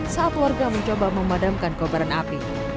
saat warga mencoba memadamkan kobaran api